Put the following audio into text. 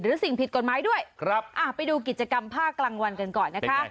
หรือสิ่งผิดคุณหมายด้วยครับไปดูกิจกรรมภาครังวันกันก่อนนะคะ